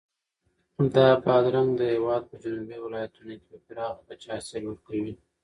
دا بادرنګ د هېواد په جنوبي ولایتونو کې په پراخه کچه حاصل ورکوي.